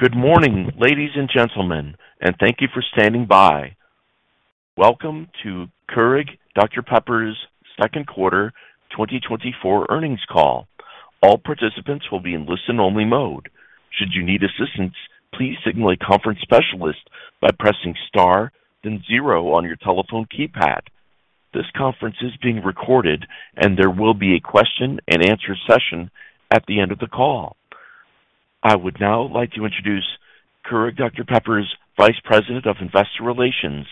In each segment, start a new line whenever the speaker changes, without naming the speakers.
Good morning, ladies and gentlemen, and thank you for standing by. Welcome to Keurig Dr Pepper's second quarter 2024 earnings call. All participants will be in listen-only mode. Should you need assistance, please signal a conference specialist by pressing star then zero on your telephone keypad. This conference is being recorded, and there will be a question-and-answer session at the end of the call. I would now like to introduce Keurig Dr Pepper's Vice President of Investor Relations,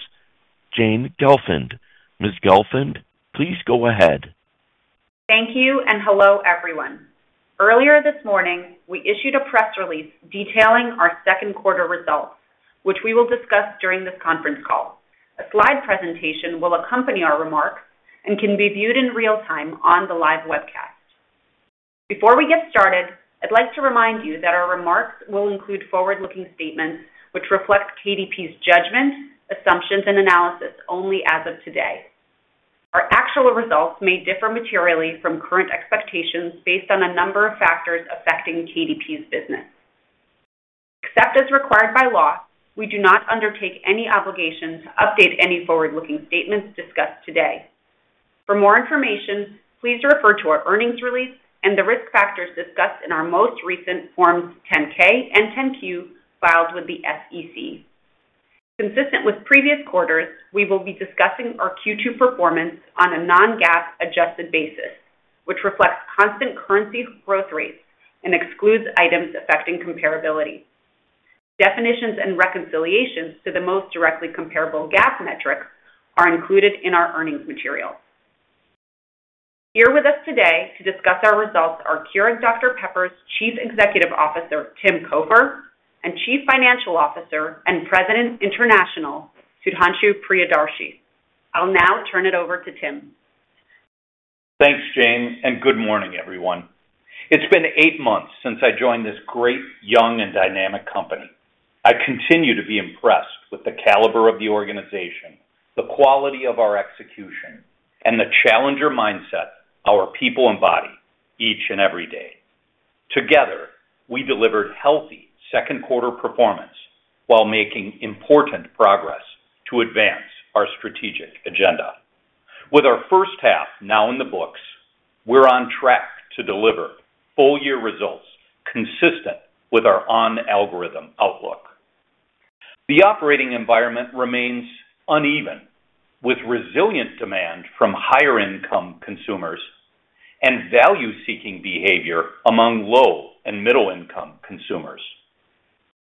Jane Gelfand. Ms. Gelfand, please go ahead.
Thank you, and hello, everyone. Earlier this morning, we issued a press release detailing our second quarter results, which we will discuss during this conference call. A slide presentation will accompany our remarks and can be viewed in real time on the live webcast. Before we get started, I'd like to remind you that our remarks will include forward-looking statements, which reflect KDP's judgments, assumptions, and analysis only as of today. Our actual results may differ materially from current expectations based on a number of factors affecting KDP's business. Except as required by law, we do not undertake any obligation to update any forward-looking statements discussed today. For more information, please refer to our earnings release and the risk factors discussed in our most recent Forms 10-K and 10-Q filed with the SEC. Consistent with previous quarters, we will be discussing our Q2 performance on a non-GAAP adjusted basis, which reflects constant currency growth rates and excludes items affecting comparability. Definitions and reconciliations to the most directly comparable GAAP metrics are included in our earnings material. Here with us today to discuss our results are Keurig Dr Pepper's Chief Executive Officer, Tim Cofer, and Chief Financial Officer and President, International, Sudhanshu Priyadarshi. I'll now turn it over to Tim.
Thanks, Jane, and good morning, everyone. It's been eight months since I joined this great, young, and dynamic company. I continue to be impressed with the caliber of the organization, the quality of our execution, and the challenger mindset our people embody each and every day. Together, we delivered healthy second quarter performance while making important progress to advance our strategic agenda. With our first half now in the books, we're on track to deliver full-year results consistent with our on-algorithm outlook. The operating environment remains uneven, with resilient demand from higher-income consumers and value-seeking behavior among low and middle-income consumers.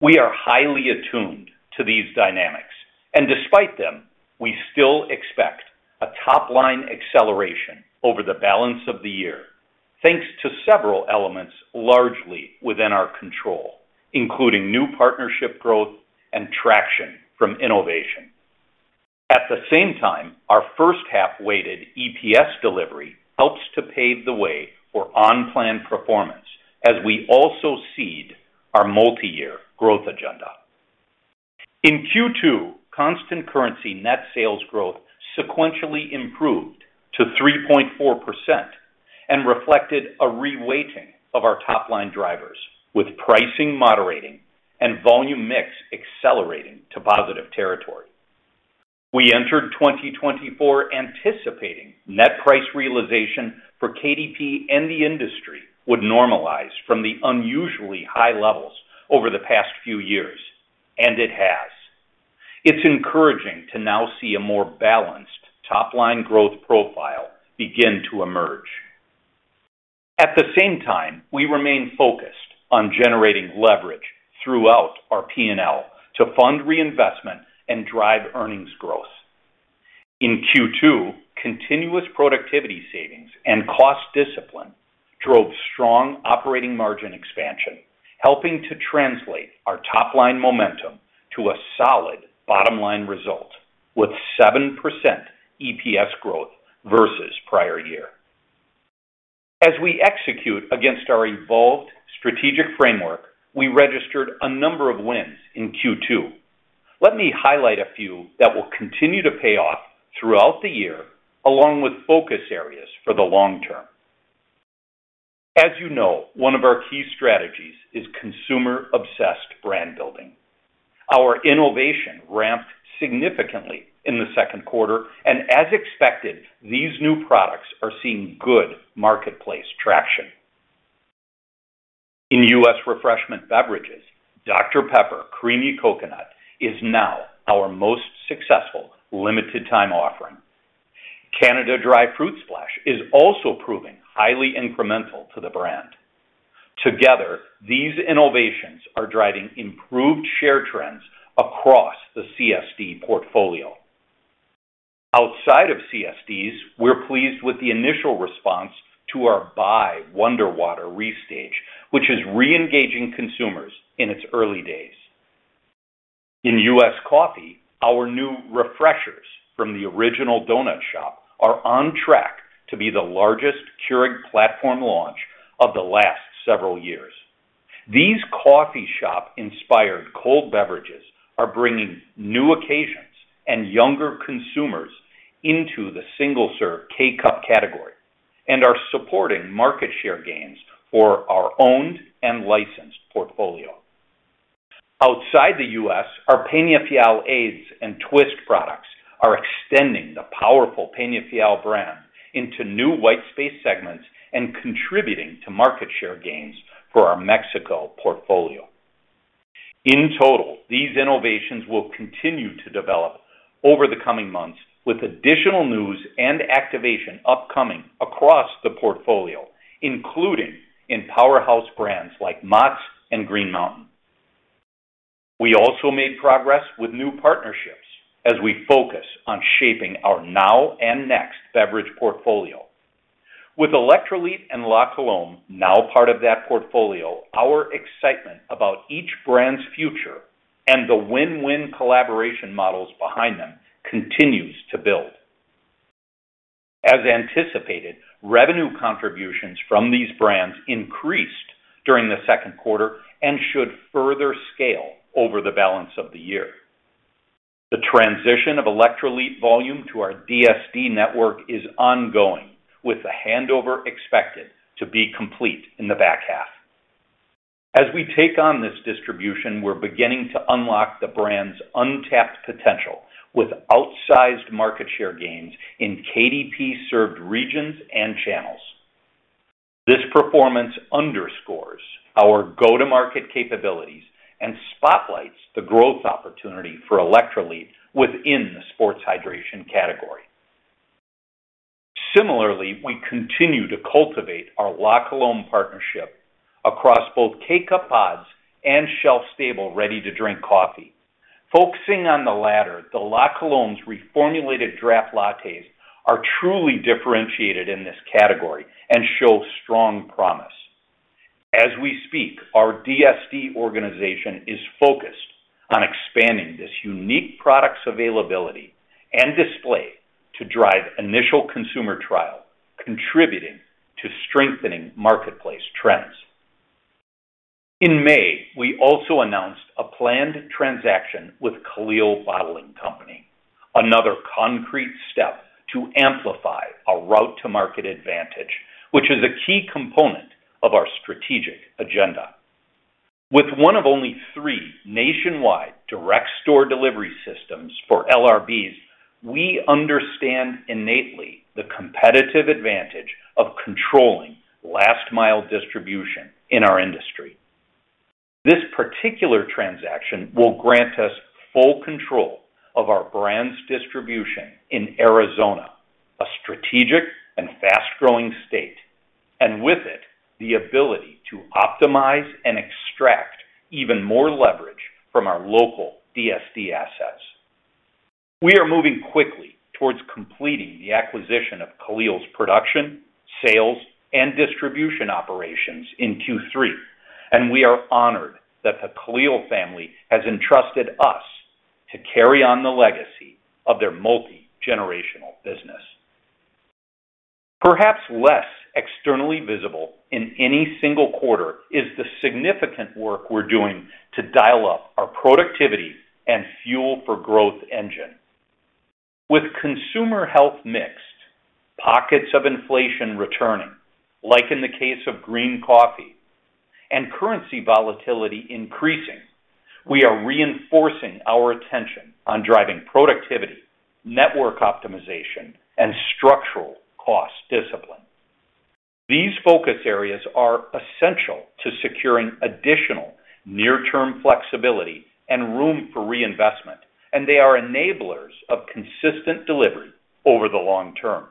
We are highly attuned to these dynamics, and despite them, we still expect a top-line acceleration over the balance of the year, thanks to several elements largely within our control, including new partnership growth and traction from innovation. At the same time, our first half-weighted EPS delivery helps to pave the way for on-plan performance as we also seed our multi-year growth agenda. In Q2, constant currency net sales growth sequentially improved to 3.4% and reflected a reweighting of our top-line drivers, with pricing moderating and volume mix accelerating to positive territory. We entered 2024 anticipating net price realization for KDP and the industry would normalize from the unusually high levels over the past few years, and it has. It's encouraging to now see a more balanced top-line growth profile begin to emerge. At the same time, we remain focused on generating leverage throughout our P&L to fund reinvestment and drive earnings growth. In Q2, continuous productivity savings and cost discipline drove strong operating margin expansion, helping to translate our top-line momentum to a solid bottom-line result, with 7% EPS growth versus prior year. As we execute against our evolved strategic framework, we registered a number of wins in Q2. Let me highlight a few that will continue to pay off throughout the year, along with focus areas for the long term. As you know, one of our key strategies is consumer-obsessed brand building. Our innovation ramped significantly in the second quarter, and as expected, these new products are seeing good marketplace traction. In U.S. refreshment beverages, Dr Pepper Creamy Coconut is now our most successful limited time offering. Canada Dry Fruit Splash is also proving highly incremental to the brand. Together, these innovations are driving improved share trends across the CSD portfolio. Outside of CSDs, we're pleased with the initial response to our Bai WonderWater restage, which is reengaging consumers in its early days. In U.S. coffee, our new refreshers from The Original Donut Shop are on track to be the largest Keurig platform launch of the last several years. These coffee shop-inspired cold beverages are bringing new occasions and younger consumers into the single-serve K-Cup category, and are supporting market share gains for our owned and licensed portfolio. Outside the U.S., our Peñafiel editions and Twist products are extending the powerful Peñafiel brand into new white space segments and contributing to market share gains for our Mexico portfolio. In total, these innovations will continue to develop over the coming months, with additional news and activation upcoming across the portfolio, including in powerhouse brands like Mott's and Green Mountain. We also made progress with new partnerships as we focus on shaping our now and next beverage portfolio. With Electrolit and La Colombe now part of that portfolio, our excitement about each brand's future and the win-win collaboration models behind them continues to build. As anticipated, revenue contributions from these brands increased during the second quarter and should further scale over the balance of the year. The transition of Electrolit volume to our DSD network is ongoing, with the handover expected to be complete in the back half. As we take on this distribution, we're beginning to unlock the brand's untapped potential with outsized market share gains in KDP-served regions and channels. This performance underscores our go-to-market capabilities and spotlights the growth opportunity for Electrolit within the sports hydration category. Similarly, we continue to cultivate our La Colombe partnership across both K-Cup pods and shelf-stable, ready-to-drink coffee. Focusing on the latter, the La Colombe's reformulated Draft Lattes are truly differentiated in this category and show strong promise. As we speak, our DSD organization is focused on expanding this unique product's availability and display to drive initial consumer trial, contributing to strengthening marketplace trends. In May, we also announced a planned transaction with Kalil Bottling Company, another concrete step to amplify our route-to-market advantage, which is a key component of our strategic agenda. With one of only three nationwide direct store delivery systems for LRBs, we understand innately the competitive advantage of controlling last-mile distribution in our industry. This particular transaction will grant us full control of our brand's distribution in Arizona, a strategic and fast-growing state, and with it, the ability to optimize and extract even more leverage from our local DSD assets. We are moving quickly towards completing the acquisition of Kalil's production, sales, and distribution operations in Q3, and we are honored that the Kalil family has entrusted us to carry on the legacy of their multigenerational business. Perhaps less externally visible in any single quarter is the significant work we're doing to dial up our productivity and fuel for growth engine. With consumer health mixed, pockets of inflation returning, like in the case of green coffee, and currency volatility increasing, we are reinforcing our attention on driving productivity, network optimization, and structural cost discipline. These focus areas are essential to securing additional near-term flexibility and room for reinvestment, and they are enablers of consistent delivery over the long term.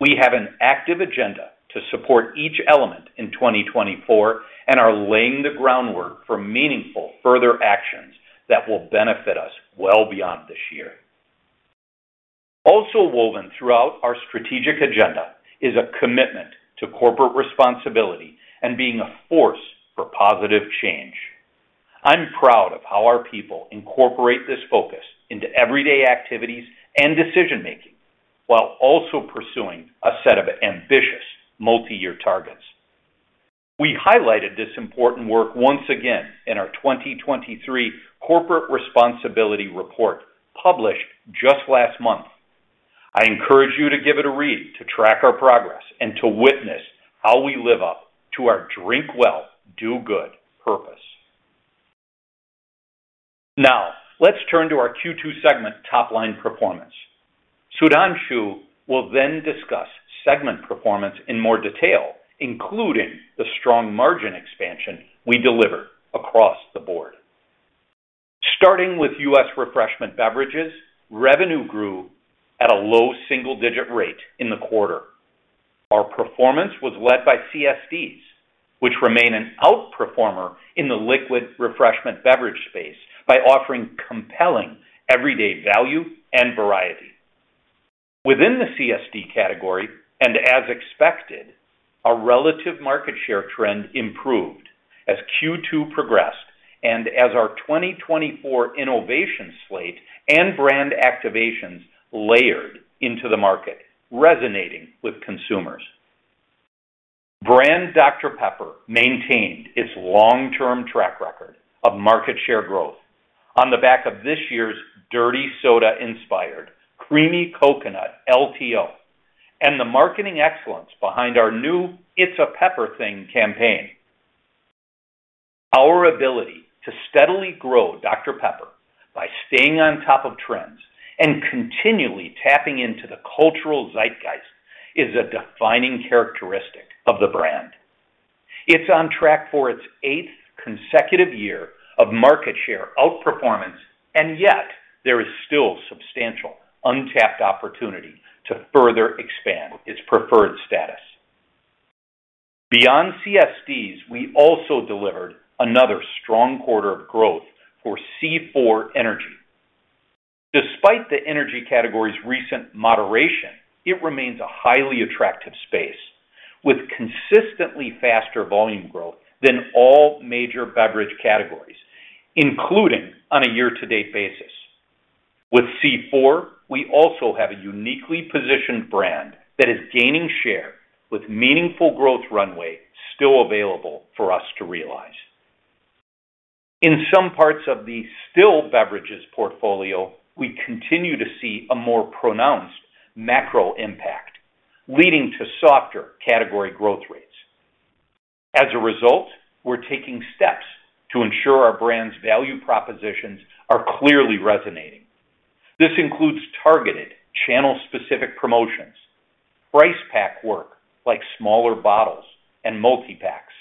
We have an active agenda to support each element in 2024 and are laying the groundwork for meaningful further actions that will benefit us well beyond this year. Also woven throughout our strategic agenda is a commitment to corporate responsibility and being a force for positive change. I'm proud of how our people incorporate this focus into everyday activities and decision-making, while also pursuing a set of ambitious multiyear targets. We highlighted this important work once again in our 2023 Corporate Responsibility Report, published just last month. I encourage you to give it a read, to track our progress, and to witness how we live up to our "Drink Well. Do Good." purpose. Now, let's turn to our Q2 segment top-line performance. Sudhanshu will then discuss segment performance in more detail, including the strong margin expansion we deliver across the board. Starting with U.S. refreshment beverages, revenue grew at a low single-digit rate in the quarter. Our performance was led by CSDs, which remain an outperformer in the liquid refreshment beverage space by offering compelling everyday value and variety. Within the CSD category, and as expected, our relative market share trend improved as Q2 progressed and as our 2024 innovation slate and brand activations layered into the market, resonating with consumers... brand Dr Pepper maintained its long-term track record of market share growth on the back of this year's Dirty Soda-inspired Creamy Coconut LTO and the marketing excellence behind our new It's a Pepper Thing campaign. Our ability to steadily grow Dr Pepper by staying on top of trends and continually tapping into the cultural zeitgeist is a defining characteristic of the brand. It's on track for its eighth consecutive year of market share outperformance, and yet there is still substantial untapped opportunity to further expand its preferred status. Beyond CSDs, we also delivered another strong quarter of growth for C4 Energy. Despite the energy category's recent moderation, it remains a highly attractive space, with consistently faster volume growth than all major beverage categories, including on a year-to-date basis. With C4, we also have a uniquely positioned brand that is gaining share, with meaningful growth runway still available for us to realize. In some parts of the still beverages portfolio, we continue to see a more pronounced macro impact, leading to softer category growth rates. As a result, we're taking steps to ensure our brand's value propositions are clearly resonating. This includes targeted channel-specific promotions, price pack work, like smaller bottles and multi-packs,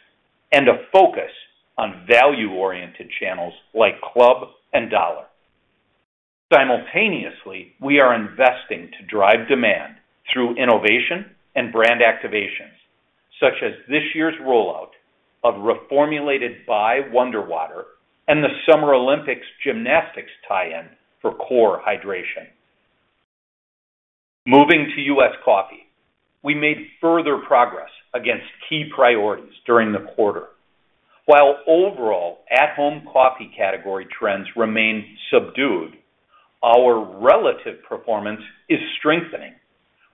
and a focus on value-oriented channels like club and dollar. Simultaneously, we are investing to drive demand through innovation and brand activations, such as this year's rollout of reformulated Bai WonderWater and the Summer Olympics gymnastics tie-in for Core Hydration. Moving to U.S. coffee, we made further progress against key priorities during the quarter. While overall at-home coffee category trends remain subdued, our relative performance is strengthening,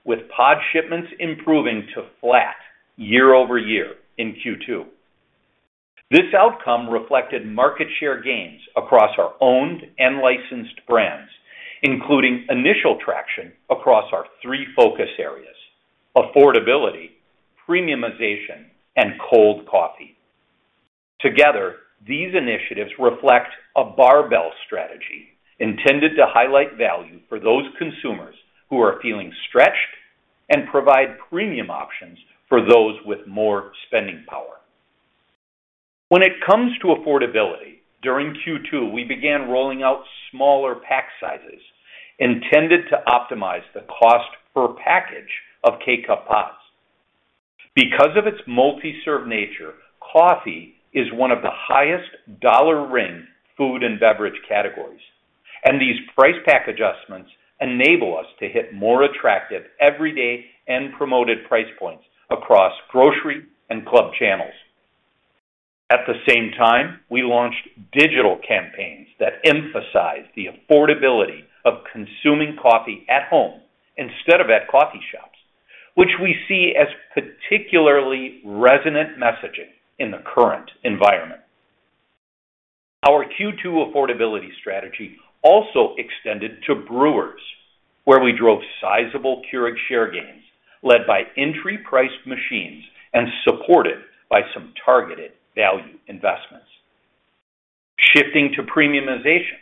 with pod shipments improving to flat year-over-year in Q2. This outcome reflected market share gains across our owned and licensed brands, including initial traction across our three focus areas: affordability, premiumization, and cold coffee. Together, these initiatives reflect a barbell strategy intended to highlight value for those consumers who are feeling stretched and provide premium options for those with more spending power. When it comes to affordability, during Q2, we began rolling out smaller pack sizes intended to optimize the cost per package of K-Cup pods. Because of its multi-serve nature, coffee is one of the highest dollar ring food and beverage categories, and these price pack adjustments enable us to hit more attractive everyday and promoted price points across grocery and club channels. At the same time, we launched digital campaigns that emphasize the affordability of consuming coffee at home instead of at coffee shops, which we see as particularly resonant messaging in the current environment. Our Q2 affordability strategy also extended to brewers, where we drove sizable Keurig share gains, led by entry price machines and supported by some targeted value investments. Shifting to premiumization,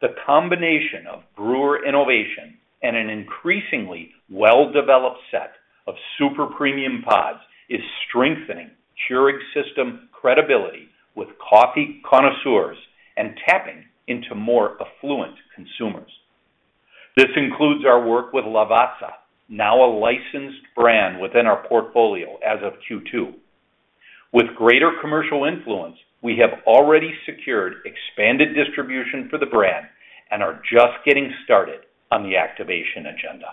the combination of brewer innovation and an increasingly well-developed set of super premium pods is strengthening Keurig system credibility with coffee connoisseurs and tapping into more affluent consumers. This includes our work with Lavazza, now a licensed brand within our portfolio as of Q2. With greater commercial influence, we have already secured expanded distribution for the brand and are just getting started on the activation agenda.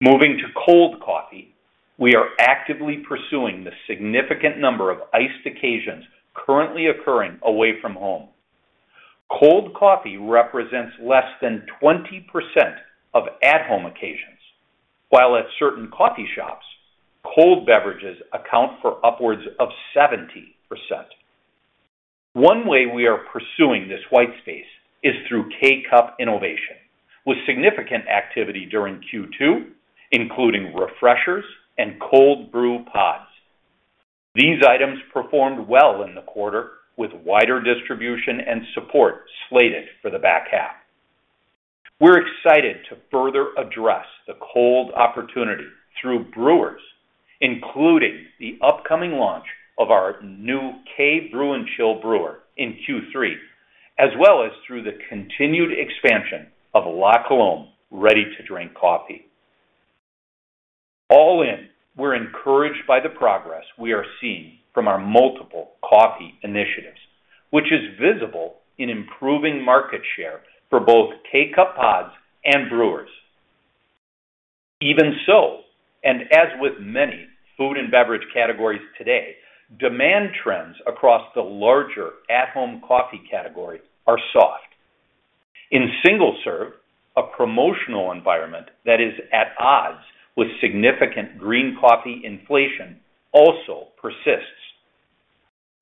Moving to cold coffee, we are actively pursuing the significant number of iced occasions currently occurring away from home. Cold coffee represents less than 20% of at-home occasions, while at certain coffee shops, cold beverages account for upwards of 70%. One way we are pursuing this white space is through K-Cup innovation, with significant activity during Q2, including refreshers and cold brew pods. These items performed well in the quarter, with wider distribution and support slated for the back half. We're excited to further address the cold opportunity through brewers, including the upcoming launch of our new K-Brew+Chill brewer in Q3, as well as through the continued expansion of La Colombe ready-to-drink coffee. All in, we're encouraged by the progress we are seeing from our multiple coffee initiatives, which is visible in improving market share for both K-Cup pods and brewers. Even so, and as with many food and beverage categories today, demand trends across the larger at-home coffee category are soft. In single-serve, a promotional environment that is at odds with significant green coffee inflation also persists.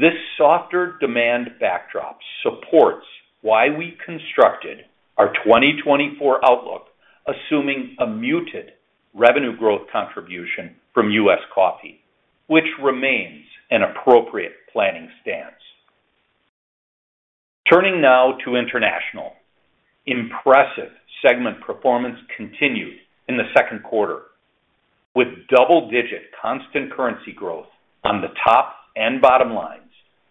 This softer demand backdrop supports why we constructed our 2024 outlook, assuming a muted revenue growth contribution from U.S. Coffee, which remains an appropriate planning stance. Turning now to International. Impressive segment performance continued in the second quarter, with double-digit constant currency growth on the top and bottom lines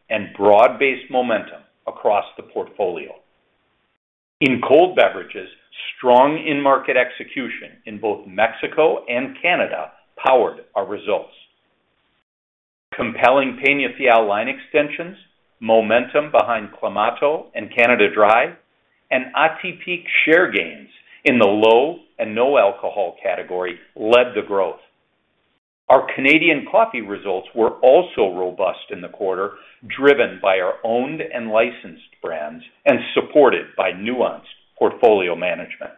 and broad-based momentum across the portfolio. In cold beverages, strong in-market execution in both Mexico and Canada powered our results. Compelling Peñafiel line extensions, momentum behind Clamato and Canada Dry, and Atypique share gains in the low and no alcohol category led to growth. Our Canadian coffee results were also robust in the quarter, driven by our owned and licensed brands and supported by nuanced portfolio management.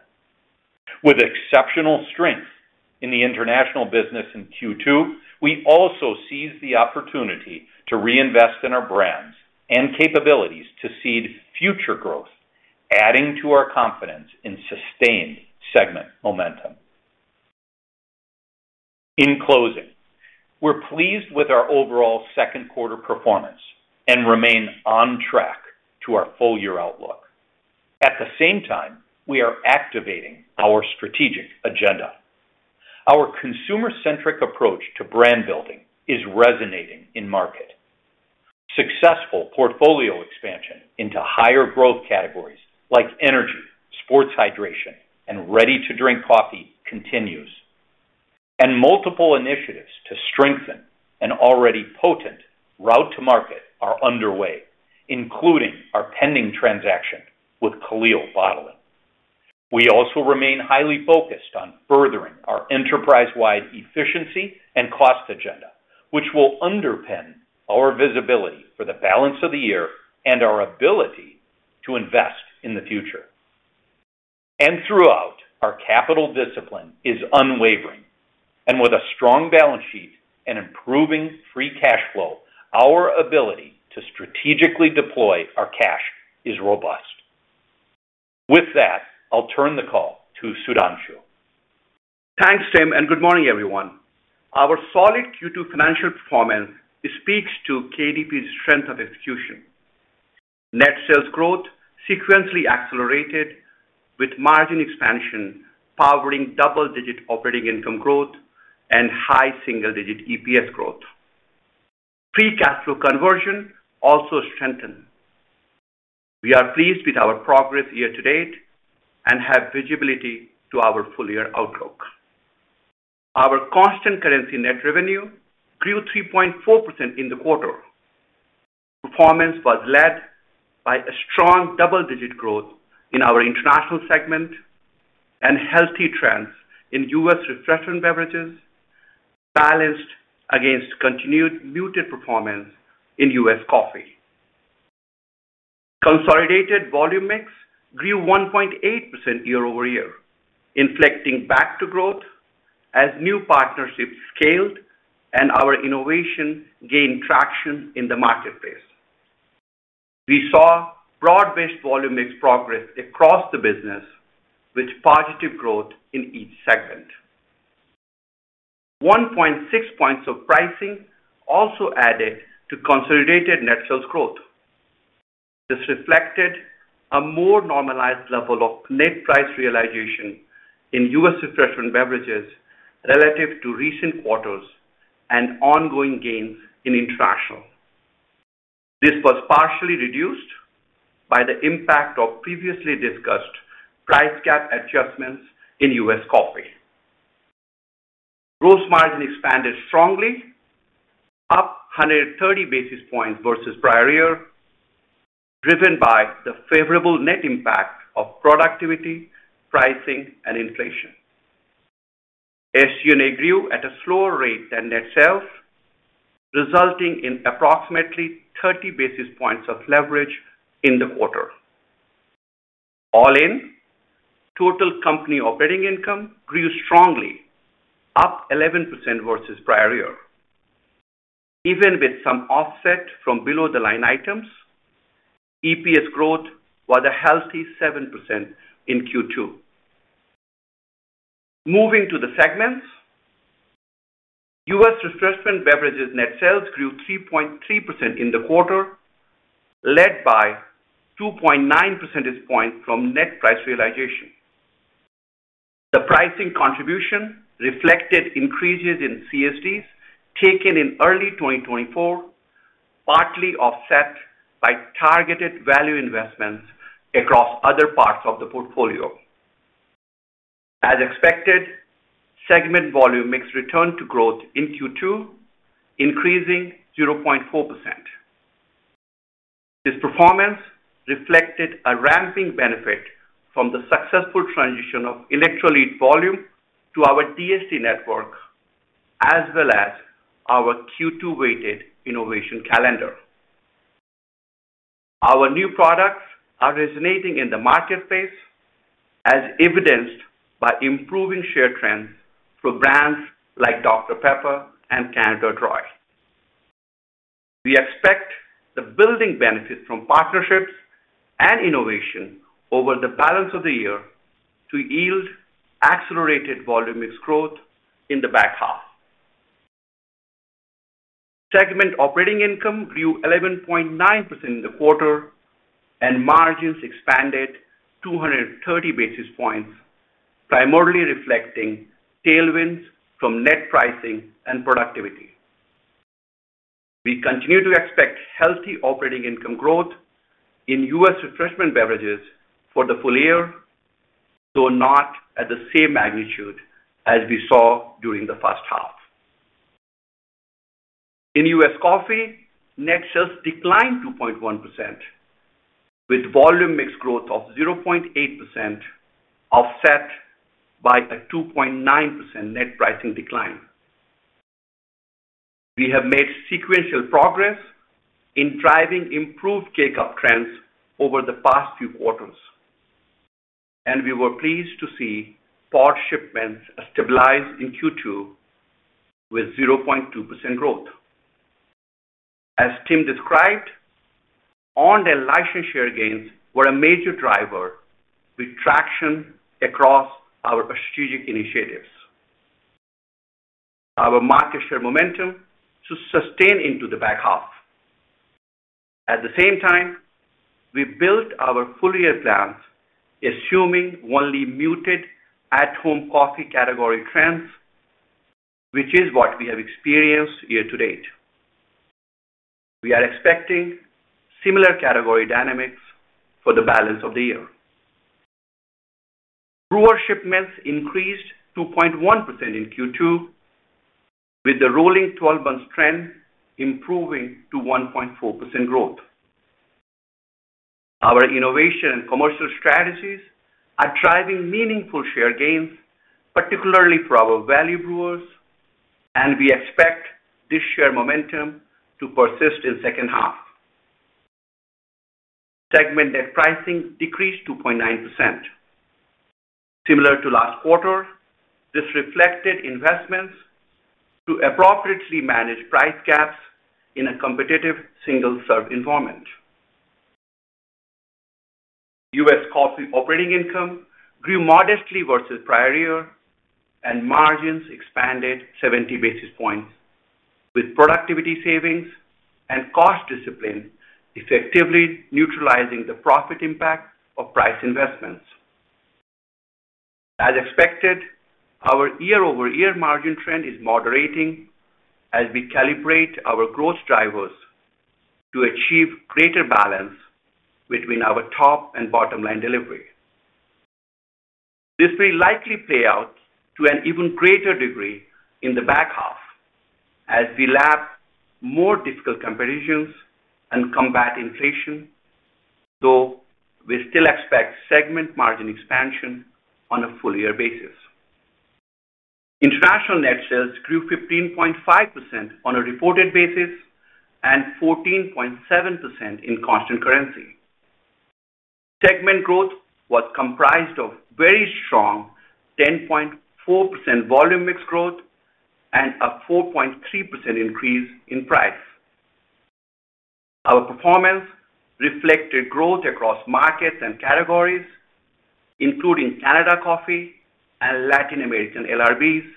With exceptional strength in the international business in Q2, we also seized the opportunity to reinvest in our brands and capabilities to seed future growth, adding to our confidence in sustained segment momentum. In closing, we're pleased with our overall second quarter performance and remain on track to our full-year outlook. At the same time, we are activating our strategic agenda. Our consumer-centric approach to brand building is resonating in market. Successful portfolio expansion into higher growth categories like energy, sports hydration, and ready-to-drink coffee continues. Multiple initiatives to strengthen an already potent route to market are underway, including our pending transaction with Kalil Bottling. We also remain highly focused on furthering our enterprise-wide efficiency and cost agenda, which will underpin our visibility for the balance of the year and our ability to invest in the future. And throughout, our capital discipline is unwavering, and with a strong balance sheet and improving free cash flow, our ability to strategically deploy our cash is robust. With that, I'll turn the call to Sudhanshu.
Thanks, Tim, and good morning, everyone. Our solid Q2 financial performance speaks to KDP's strength of execution. Net sales growth sequentially accelerated with margin expansion, powering double-digit operating income growth and high single-digit EPS growth. Free cash flow conversion also strengthened. We are pleased with our progress year-to-date and have visibility to our full-year outlook. Our constant currency net revenue grew 3.4% in the quarter. Performance was led by a strong double-digit growth in our international segment and healthy trends in U.S. refreshment beverages, balanced against continued muted performance in U.S. coffee. Consolidated volume mix grew 1.8% year-over-year, inflecting back to growth as new partnerships scaled and our innovation gained traction in the marketplace. We saw broad-based volume mix progress across the business, with positive growth in each segment. 1.6 points of pricing also added to consolidated net sales growth. This reflected a more normalized level of net price realization in U.S. refreshment beverages relative to recent quarters and ongoing gains in international. This was partially reduced by the impact of previously discussed price gap adjustments in U.S. Coffee. Gross margin expanded strongly, up 130 basis points versus prior year, driven by the favorable net impact of productivity, pricing, and inflation. SG&A grew at a slower rate than net sales, resulting in approximately 30 basis points of leverage in the quarter. All in, total company operating income grew strongly, up 11% versus prior year. Even with some offset from below-the-line items, EPS growth was a healthy 7% in Q2. Moving to the segments, U.S. refreshment beverages net sales grew 3.3% in the quarter, led by 2.9 percentage points from net price realization. The pricing contribution reflected increases in CSDs taken in early 2024, partly offset by targeted value investments across other parts of the portfolio. As expected, segment volume mix returned to growth in Q2, increasing 0.4%. This performance reflected a ramping benefit from the successful transition of Electrolit volume to our DSD network, as well as our Q2 weighted innovation calendar. Our new products are resonating in the marketplace, as evidenced by improving share trends for brands like Dr Pepper and Canada Dry. We expect the building benefit from partnerships and innovation over the balance of the year to yield accelerated volume mix growth in the back half. Segment operating income grew 11.9% in the quarter, and margins expanded 230 basis points, primarily reflecting tailwinds from net pricing and productivity. We continue to expect healthy operating income growth in U.S. refreshment beverages for the full year, though not at the same magnitude as we saw during the first half. In U.S. coffee, net sales declined 2.1%, with volume mix growth of 0.8%, offset by a 2.9% net pricing decline. We have made sequential progress in driving improved K-Cup trends over the past few quarters, and we were pleased to see pod shipments stabilize in Q2 with 0.2% growth. As Tim described, on-premise license share gains were a major driver with traction across our strategic initiatives. Our market share momentum to sustain into the back half. At the same time, we built our full-year plans, assuming only muted at-home coffee category trends, which is what we have experienced year-to-date. We are expecting similar category dynamics for the balance of the year. Brewer shipments increased 2.1% in Q2, with the rolling twelve-month trend improving to 1.4% growth. Our innovation and commercial strategies are driving meaningful share gains, particularly for our value brewers, and we expect this share momentum to persist in second half. Segment net pricing decreased 2.9%. Similar to last quarter, this reflected investments to appropriately manage price gaps in a competitive single-serve environment. U.S. coffee operating income grew modestly versus prior year, and margins expanded 70 basis points, with productivity savings and cost discipline, effectively neutralizing the profit impact of price investments. As expected, our year-over-year margin trend is moderating as we calibrate our growth drivers to achieve greater balance between our top and bottom-line delivery. This will likely play out to an even greater degree in the back half as we lap more difficult comparisons and combat inflation, though we still expect segment margin expansion on a full-year basis. International net sales grew 15.5% on a reported basis and 14.7% in constant currency. Segment growth was comprised of very strong 10.4% volume mix growth and a 4.3% increase in price. Our performance reflected growth across markets and categories, including Canada Coffee and Latin American LRBs,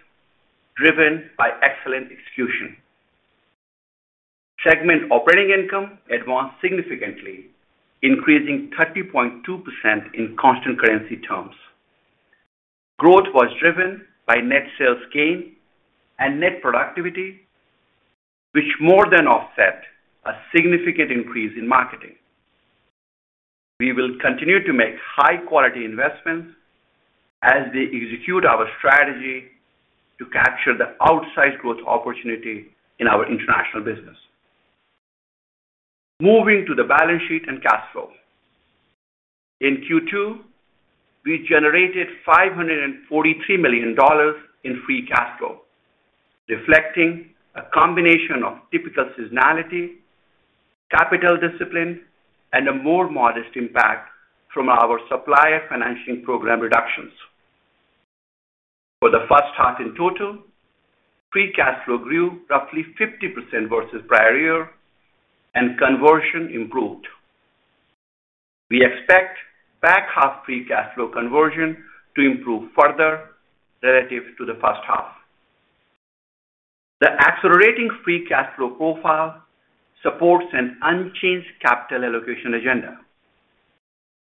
driven by excellent execution. Segment operating income advanced significantly, increasing 30.2% in constant currency terms. Growth was driven by net sales gain and net productivity, which more than offset a significant increase in marketing. We will continue to make high-quality investments as they execute our strategy to capture the outsized growth opportunity in our international business. Moving to the balance sheet and cash flow. In Q2, we generated $543 million in free cash flow, reflecting a combination of typical seasonality, capital discipline, and a more modest impact from our supplier financing program reductions. For the first half in total, free cash flow grew roughly 50% versus prior year, and conversion improved. We expect back half free cash flow conversion to improve further relative to the first half. The accelerating free cash flow profile supports an unchanged capital allocation agenda.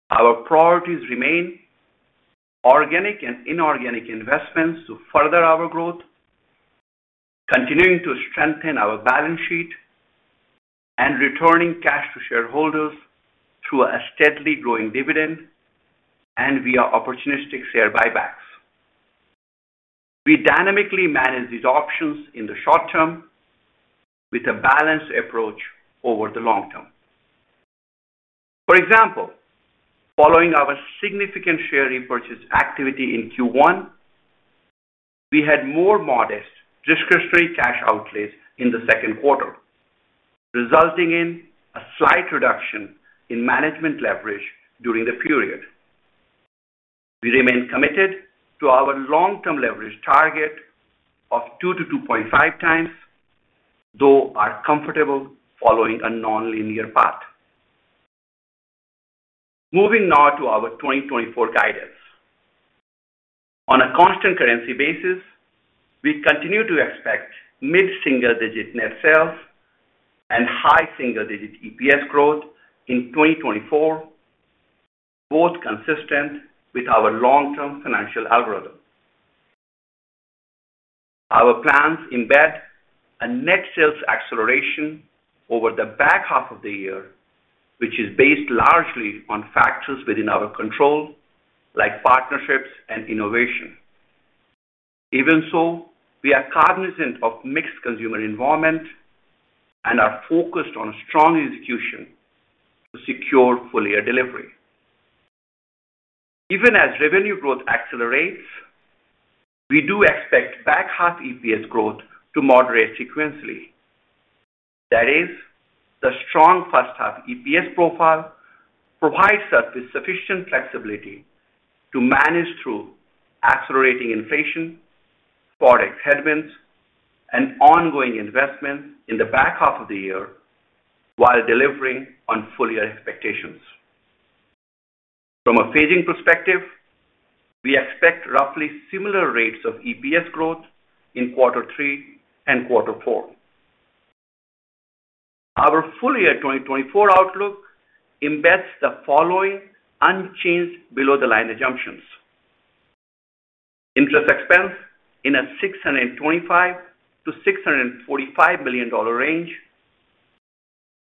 Our priorities remain organic and inorganic investments to further our growth, continuing to strengthen our balance sheet, and returning cash to shareholders through a steadily growing dividend and via opportunistic share buybacks. We dynamically manage these options in the short term with a balanced approach over the long term. For example, following our significant share repurchase activity in Q1, we had more modest risk-free cash outlays in the second quarter, resulting in a slight reduction in management leverage during the period. We remain committed to our long-term leverage target of 2-2.5 times, though are comfortable following a nonlinear path. Moving now to our 2024 guidance. On a constant currency basis, we continue to expect mid-single-digit net sales and high single-digit EPS growth in 2024, both consistent with our long-term financial algorithm. Our plans embed a net sales acceleration over the back half of the year, which is based largely on factors within our control, like partnerships and innovation. Even so, we are cognizant of mixed consumer environment and are focused on strong execution to secure full year delivery. Even as revenue growth accelerates, we do expect back half EPS growth to moderate sequentially. That is, the strong first half EPS profile provides us with sufficient flexibility to manage through accelerating inflation, product headwinds, and ongoing investments in the back half of the year while delivering on full year expectations. From a phasing perspective, we expect roughly similar rates of EPS growth in quarter three and quarter four. Our full year 2024 outlook embeds the following unchanged below-the-line assumptions: interest expense in a $625 million-$645 million range,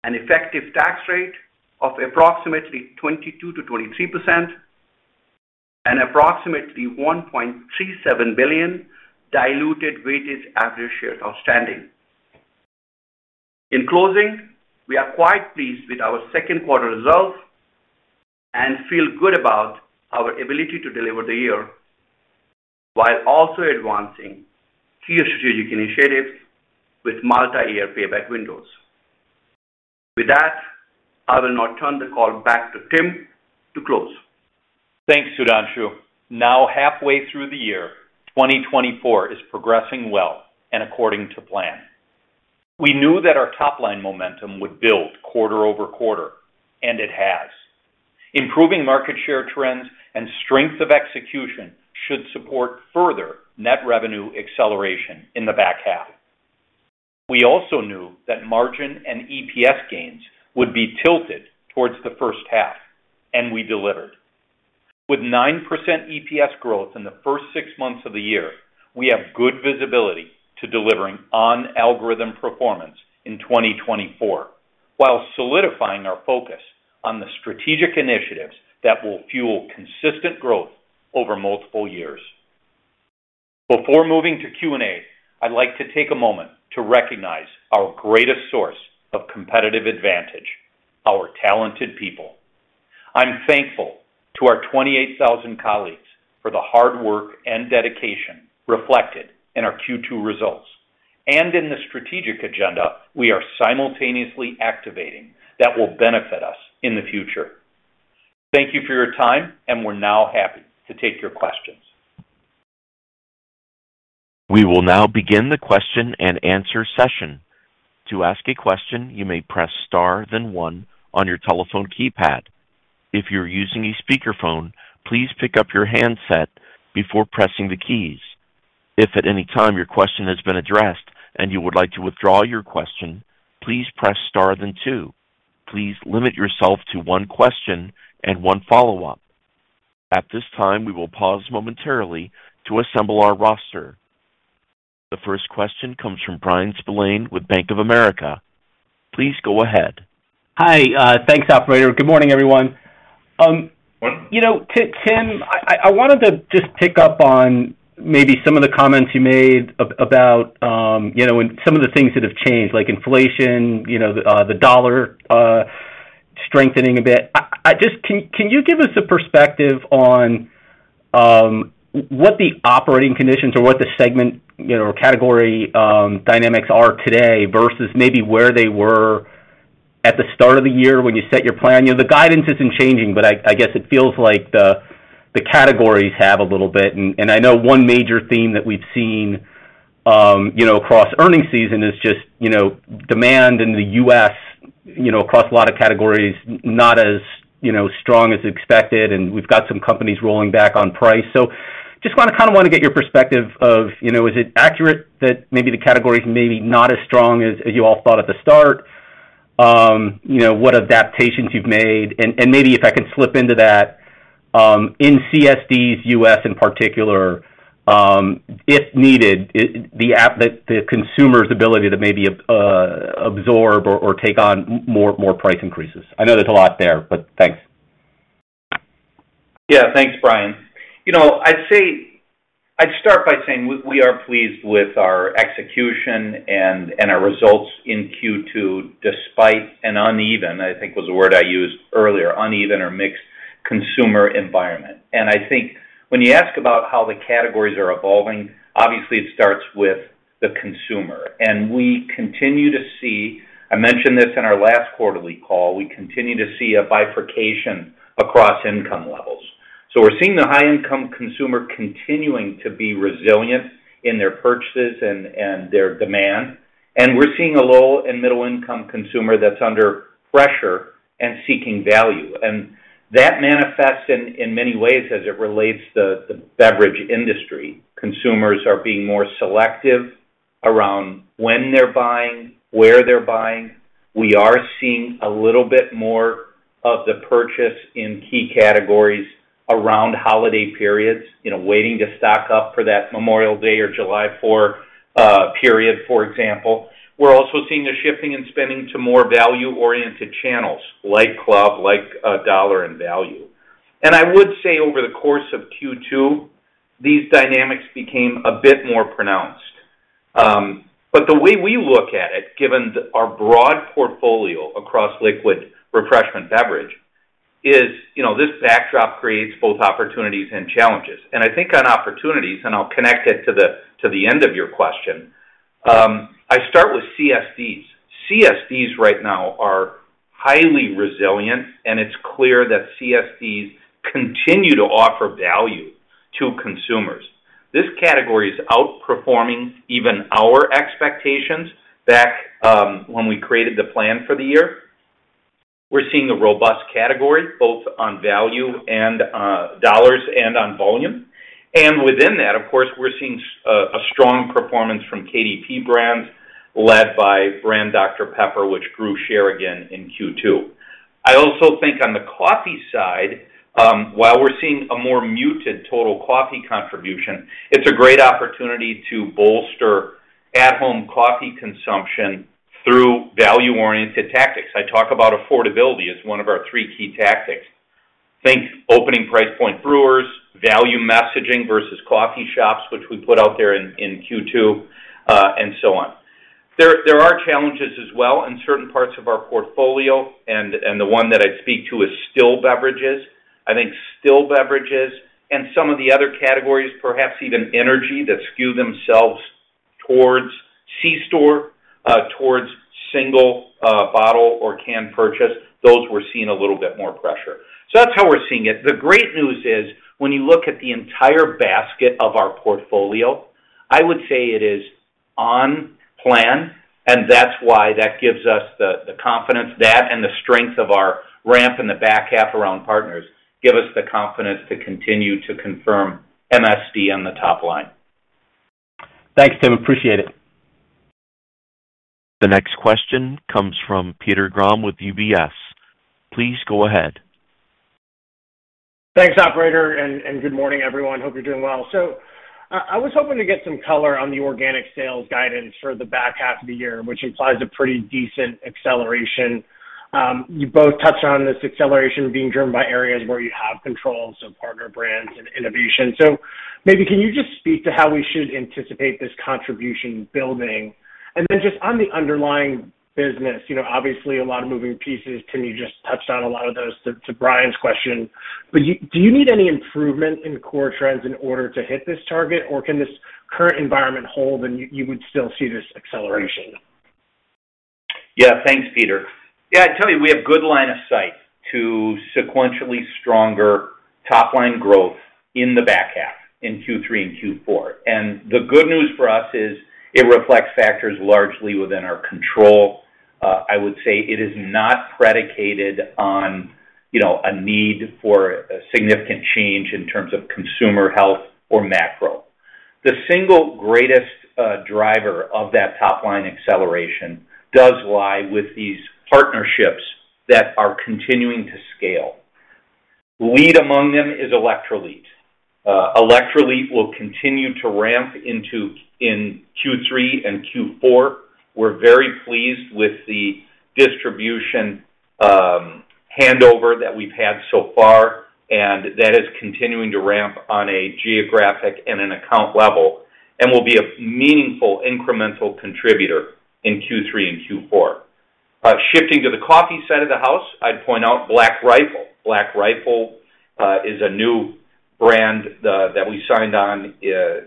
an effective tax rate of approximately 22%-23%, and approximately 1.37 billion diluted weighted average shares outstanding. In closing, we are quite pleased with our second quarter results and feel good about our ability to deliver the year, while also advancing key strategic initiatives with multi-year payback windows. With that, I will now turn the call back to Tim to close.
Thanks, Sudhanshu. Now, halfway through the year, 2024 is progressing well and according to plan. We knew that our top line momentum would build quarter-over-quarter, and it has. Improving market share trends and strength of execution should support further net revenue acceleration in the back half. We also knew that margin and EPS gains would be tilted towards the first half, and we delivered. With 9% EPS growth in the first six months of the year, we have good visibility to delivering on algorithm performance in 2024, while solidifying our focus on the strategic initiatives that will fuel consistent growth over multiple years. Before moving to Q&A, I'd like to take a moment to recognize our greatest source of competitive advantage, our talented people. I'm thankful to our 28,000 colleagues for the hard work and dedication reflected in our Q2 results, and in the strategic agenda we are simultaneously activating that will benefit us in the future. Thank you for your time, and we're now happy to take your questions.
We will now begin the question-and-answer session. To ask a question, you may press star, then one on your telephone keypad. If you're using a speakerphone, please pick up your handset before pressing the keys. If at any time your question has been addressed and you would like to withdraw your question, please press star then two. Please limit yourself to one question and one follow-up. At this time, we will pause momentarily to assemble our roster. The first question comes from Bryan Spillane with Bank of America. Please go ahead.
Hi. Thanks, operator. Good morning, everyone. You know, Tim, I wanted to just pick up on maybe some of the comments you made about, you know, and some of the things that have changed, like inflation, you know, the dollar strengthening a bit. I just—can you give us a perspective on what the operating conditions or what the segment, you know, or category dynamics are today versus maybe where they were at the start of the year when you set your plan? You know, the guidance isn't changing, but I guess it feels like the categories have a little bit. I know one major theme that we've seen, you know, across earnings season is just, you know, demand in the U.S., you know, across a lot of categories, not as, you know, strong as expected, and we've got some companies rolling back on price. So just wanna, kind of, wanna get your perspective of, you know, is it accurate that maybe the categories may be not as strong as you all thought at the start? You know, what adaptations you've made, and maybe if I could slip into that, in CSD's U.S., in particular, if needed, the consumer's ability to maybe absorb or take on more price increases. I know there's a lot there, but thanks....
Yeah, thanks, Brian. You know, I'd say, I'd start by saying we, we are pleased with our execution and, and our results in Q2, despite an uneven, I think was the word I used earlier, uneven or mixed consumer environment. I think when you ask about how the categories are evolving, obviously it starts with the consumer. We continue to see-- I mentioned this in our last quarterly call, we continue to see a bifurcation across income levels. So we're seeing the high-income consumer continuing to be resilient in their purchases and, and their demand, and we're seeing a low and middle-income consumer that's under pressure and seeking value. That manifests in, in many ways as it relates to the beverage industry. Consumers are being more selective around when they're buying, where they're buying. We are seeing a little bit more of the purchase in key categories around holiday periods, you know, waiting to stock up for that Memorial Day or July 4th, period, for example. We're also seeing a shifting in spending to more value-oriented channels, like club, like, dollar and value. And I would say over the course of Q2, these dynamics became a bit more pronounced. But the way we look at it, given our broad portfolio across liquid refreshment beverage, is, you know, this backdrop creates both opportunities and challenges. And I think on opportunities, and I'll connect it to the end of your question, I start with CSDs. CSDs right now are highly resilient, and it's clear that CSDs continue to offer value to consumers. This category is outperforming even our expectations back, when we created the plan for the year. We're seeing a robust category, both on value and dollars and on volume. And within that, of course, we're seeing a strong performance from KDP brands, led by brand Dr Pepper, which grew share again in Q2. I also think on the coffee side, while we're seeing a more muted total coffee contribution, it's a great opportunity to bolster at-home coffee consumption through value-oriented tactics. I talk about affordability as one of our three key tactics. Think opening price point brewers, value messaging versus coffee shops, which we put out there in Q2, and so on. There are challenges as well in certain parts of our portfolio, and the one that I'd speak to is still beverages. I think still beverages and some of the other categories, perhaps even energy, that skew themselves towards C-store, towards single, bottle or can purchase, those we're seeing a little bit more pressure. So that's how we're seeing it. The great news is, when you look at the entire basket of our portfolio, I would say it is on plan, and that's why that gives us the, the confidence. That, and the strength of our ramp in the back half around partners, give us the confidence to continue to confirm MSD on the top line.
Thanks, Tim. Appreciate it.
The next question comes from Peter Grom with UBS. Please go ahead.
Thanks, operator, and good morning, everyone. Hope you're doing well. So, I was hoping to get some color on the organic sales guidance for the back half of the year, which implies a pretty decent acceleration. You both touched on this acceleration being driven by areas where you have control, so partner brands and innovation. So maybe can you just speak to how we should anticipate this contribution building? And then just on the underlying business, you know, obviously a lot of moving pieces. Tim, you just touched on a lot of those to Brian's question. But do you need any improvement in core trends in order to hit this target? Or can this current environment hold and you would still see this acceleration?
Yeah. Thanks, Peter. Yeah, I'd tell you, we have good line of sight to sequentially stronger top line growth in the back half, in Q3 and Q4. The good news for us is it reflects factors largely within our control. I would say it is not predicated on, you know, a need for a significant change in terms of consumer health or macro. The single greatest driver of that top line acceleration does lie with these partnerships that are continuing to scale. Lead among them is Electrolit. Electrolit will continue to ramp in Q3 and Q4. We're very pleased with the distribution handover that we've had so far, and that is continuing to ramp on a geographic and an account level and will be a meaningful incremental contributor in Q3 and Q4. Shifting to the coffee side of the house, I'd point out Black Rifle. Black Rifle is a new brand that we signed on.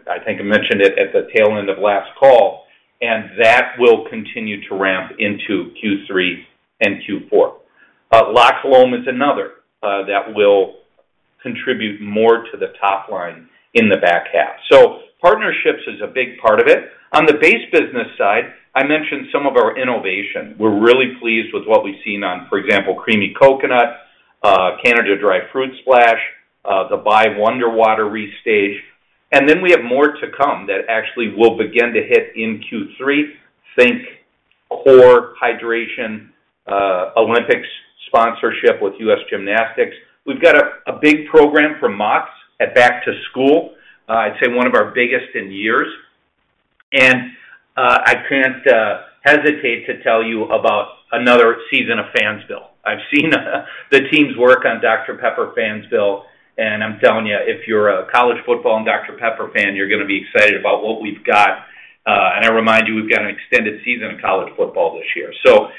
I think I mentioned it at the tail end of last call, and that will continue to ramp into Q3 and Q4. La Colombe is another that will contribute more to the top line in the back half. So partnerships is a big part of it. On the base business side, I mentioned some of our innovation. We're really pleased with what we've seen on, for example, Creamy Coconut, Canada Dry Fruit Splash, the Bai WonderWater restage. And then we have more to come that actually will begin to hit in Q3. Think Core Hydration, Olympics sponsorship with U.S. Gymnastics. We've got a big program for Mott's at Back to School. I'd say one of our biggest in years. And I can't hesitate to tell you about another season of Fansville. I've seen the teams work on Dr Pepper Fansville, and I'm telling you, if you're a college football and Dr Pepper fan, you're gonna be excited about what we've got. And I remind you, we've got an extended season of college football this year. So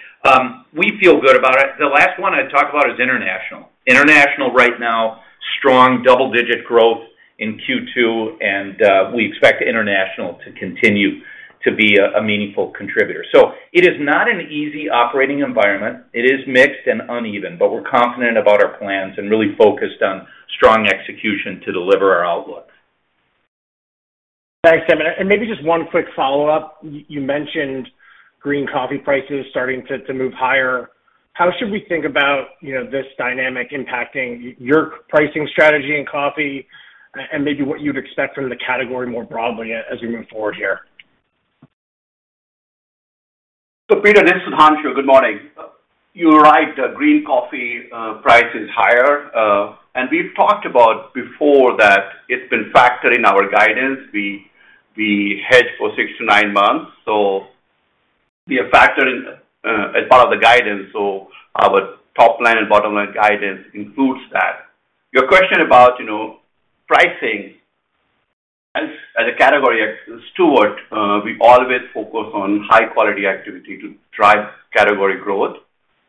we feel good about it. The last one I talked about is international. International right now, strong double-digit growth in Q2, and we expect international to continue to be a meaningful contributor. So it is not an easy operating environment. It is mixed and uneven, but we're confident about our plans and really focused on strong execution to deliver our outlook.
Thanks, Tim. And maybe just one quick follow-up. You mentioned green coffee prices starting to move higher. How should we think about, you know, this dynamic impacting your pricing strategy in coffee, and maybe what you'd expect from the category more broadly as we move forward here?
So Peter, this is Sudhanshu. Good morning. You're right, the green coffee price is higher, and we've talked about before that it's been factored in our guidance. We hedge for six to nine months, so we have factored in as part of the guidance, so our top line and bottom line guidance includes that. Your question about, you know, pricing, as a category steward, we always focus on high quality activity to drive category growth.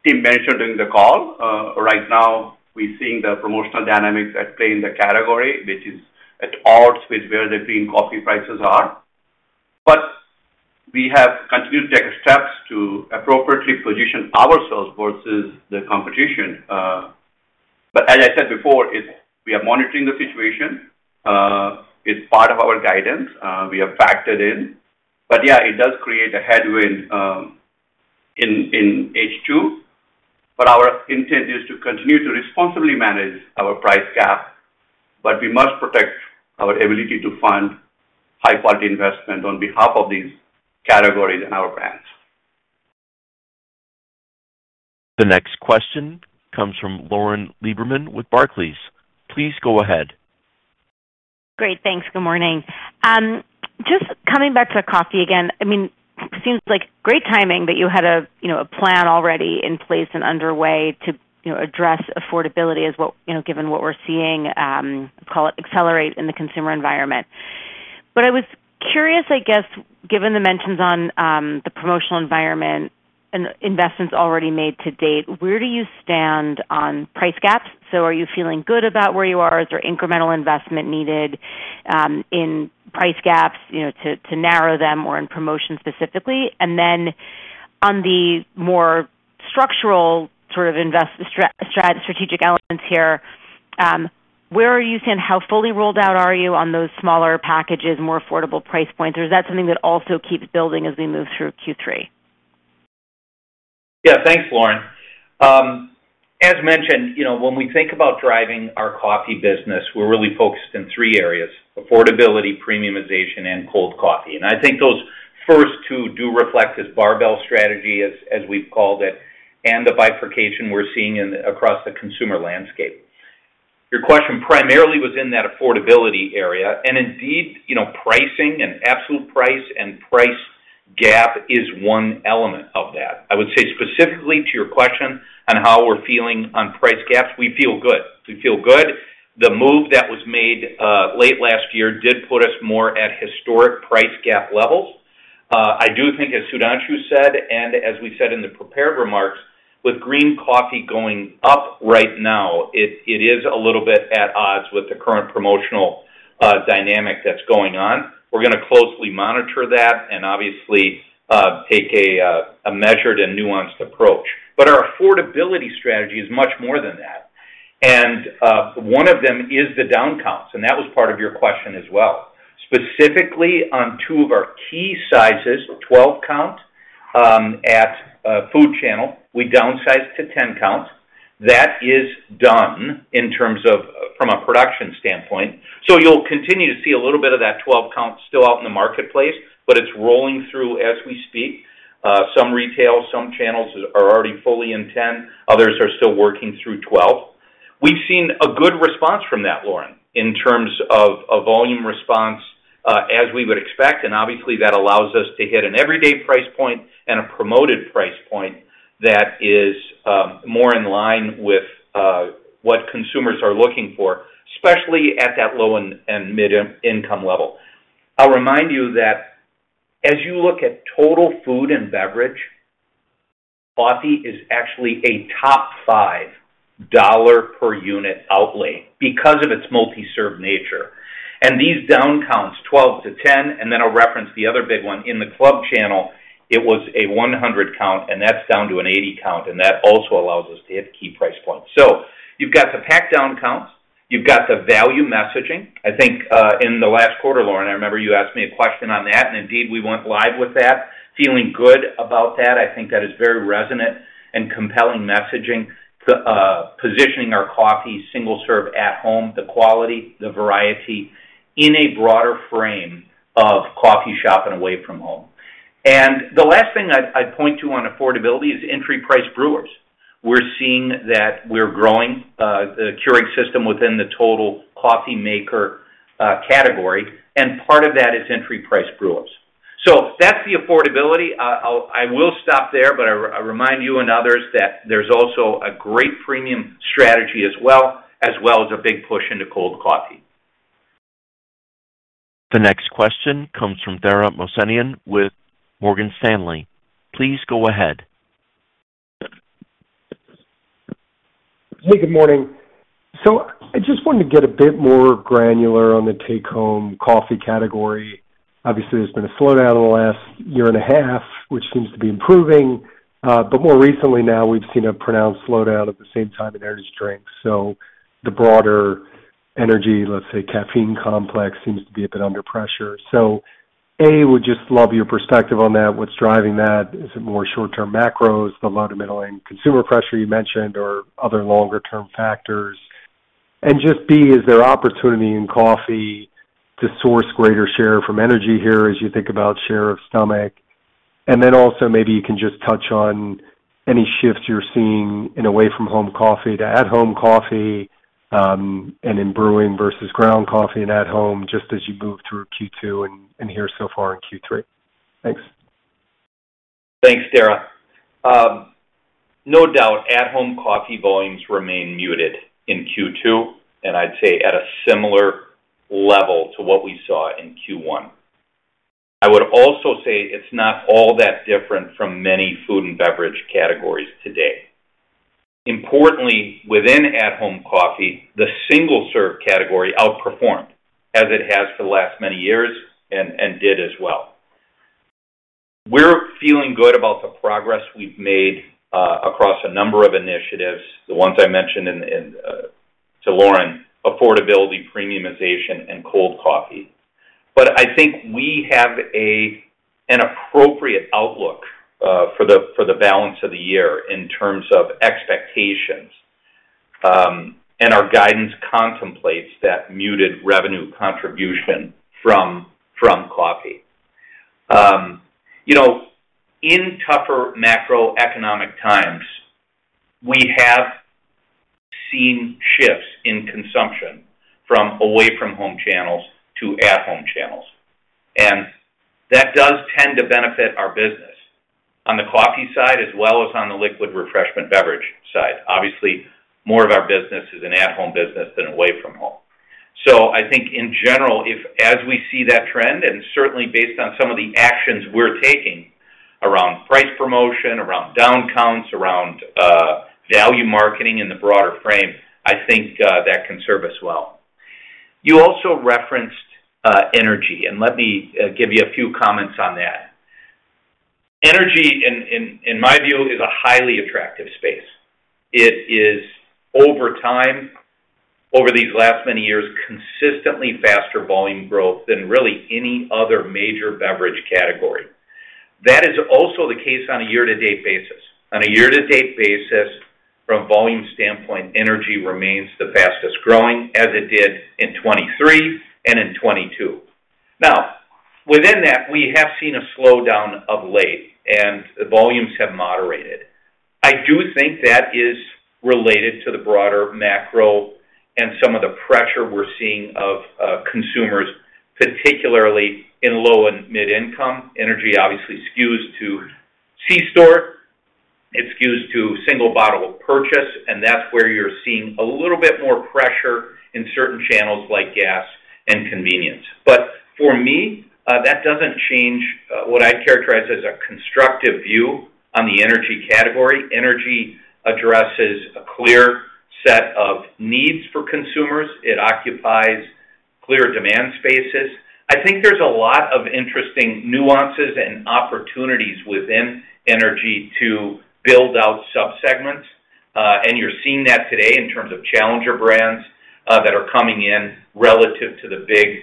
Tim mentioned during the call, right now we're seeing the promotional dynamics at play in the category, which is at odds with where the green coffee prices are. But we have continued to take steps to appropriately position ourselves versus the competition. But as I said before, it's. We are monitoring the situation. It's part of our guidance, we have factored in, but yeah, it does create a headwind in H2. But our intent is to continue to responsibly manage our price gap, but we must protect our ability to fund high quality investment on behalf of these categories and our brands.
The next question comes from Lauren Lieberman with Barclays. Please go ahead.
Great, thanks. Good morning. Just coming back to coffee again. I mean, it seems like great timing that you had, you know, a plan already in place and underway to, you know, address affordability as well, you know, given what we're seeing, call it, accelerate in the consumer environment. But I was curious, I guess, given the mentions on the promotional environment and investments already made to date, where do you stand on price gaps? So are you feeling good about where you are? Is there incremental investment needed in price gaps, you know, to narrow them or in promotions specifically? And then on the more structural sort of investment strategic elements here, where are you and how fully rolled out are you on those smaller packages, more affordable price points, or is that something that also keeps building as we move through Q3?
Yeah, thanks, Lauren. As mentioned, you know, when we think about driving our coffee business, we're really focused in three areas: affordability, premiumization, and cold coffee. And I think those first two do reflect this barbell strategy, as we've called it, and the bifurcation we're seeing across the consumer landscape. Your question primarily was in that affordability area, and indeed, you know, pricing and absolute price and price gap is one element of that. I would say specifically to your question on how we're feeling on price gaps, we feel good. We feel good. The move that was made late last year did put us more at historic price gap levels. I do think, as Sudhanshu said, and as we said in the prepared remarks, with green coffee going up right now, it is a little bit at odds with the current promotional dynamic that's going on. We're gonna closely monitor that and obviously take a measured and nuanced approach. But our affordability strategy is much more than that. And one of them is the down counts, and that was part of your question as well. Specifically on two of our key sizes, 12 count, at food channel, we downsized to 10 count. That is done in terms of from a production standpoint. So you'll continue to see a little bit of that 12 count still out in the marketplace, but it's rolling through as we speak. Some retail, some channels are already fully in 10, others are still working through 12. We've seen a good response from that, Lauren, in terms of a volume response, as we would expect, and obviously that allows us to hit an everyday price point and a promoted price point that is more in line with what consumers are looking for, especially at that low and mid-income level. I'll remind you that as you look at total food and beverage, coffee is actually a top five dollar per unit outlay because of its multi-serve nature. These down counts, 12 to 10, and then I'll reference the other big one in the club channel, it was a 100-count, and that's down to an 80-count, and that also allows us to hit key price points. So you've got the pack down counts, you've got the value messaging. I think, in the last quarter, Lauren, I remember you asked me a question on that, and indeed, we went live with that. Feeling good about that. I think that is very resonant and compelling messaging, the positioning our coffee, single serve at home, the quality, the variety in a broader frame of coffee shopping away from home... And the last thing I'd, I'd point to on affordability is entry price brewers. We're seeing that we're growing, the Keurig system within the total coffee maker, category, and part of that is entry price brewers. So that's the affordability. I'll—I will stop there, but I, I remind you and others that there's also a great premium strategy as well, as well as a big push into cold coffee.
The next question comes from Dara Mohsenian with Morgan Stanley. Please go ahead.
Hey, good morning. I just wanted to get a bit more granular on the take-home coffee category. Obviously, there's been a slowdown in the last year and a half, which seems to be improving. But more recently now, we've seen a pronounced slowdown at the same time in energy drinks. The broader energy, let's say, caffeine complex, seems to be a bit under pressure. A, would just love your perspective on that. What's driving that? Is it more short-term macros, the low-to-middle-income consumer pressure you mentioned, or other longer-term factors? And just, B, is there opportunity in coffee to source greater share from energy here as you think about share of stomach? Then also, maybe you can just touch on any shifts you're seeing in away from home coffee to at-home coffee, and in brewing versus ground coffee and at home, just as you move through Q2 and here so far in Q3. Thanks.
Thanks, Dara. No doubt, at-home coffee volumes remain muted in Q2, and I'd say at a similar level to what we saw in Q1. I would also say it's not all that different from many food and beverage categories today. Importantly, within at-home coffee, the single-serve category outperformed, as it has for the last many years, and did as well. We're feeling good about the progress we've made across a number of initiatives, the ones I mentioned to Lauren: affordability, premiumization, and cold coffee. But I think we have an appropriate outlook for the balance of the year in terms of expectations. And our guidance contemplates that muted revenue contribution from coffee. You know, in tougher macroeconomic times, we have seen shifts in consumption from away from home channels to at-home channels, and that does tend to benefit our business on the coffee side as well as on the liquid refreshment beverage side. Obviously, more of our business is an at-home business than away from home. So I think in general, if as we see that trend, and certainly based on some of the actions we're taking around price promotion, around down counts, around value marketing in the broader frame, I think that can serve us well. You also referenced energy, and let me give you a few comments on that. Energy in my view is a highly attractive space. It is over time, over these last many years, consistently faster volume growth than really any other major beverage category. That is also the case on a year-to-date basis. On a year-to-date basis, from a volume standpoint, energy remains the fastest-growing, as it did in 2023 and in 2022. Now, within that, we have seen a slowdown of late, and the volumes have moderated. I do think that is related to the broader macro and some of the pressure we're seeing of consumers, particularly in low and mid-income. Energy obviously skews to C-store, it skews to single bottle purchase, and that's where you're seeing a little bit more pressure in certain channels like gas and convenience. But for me, that doesn't change what I'd characterize as a constructive view on the energy category. Energy addresses a clear set of needs for consumers. It occupies clear demand spaces. I think there's a lot of interesting nuances and opportunities within energy to build out subsegments, and you're seeing that today in terms of challenger brands that are coming in relative to the big,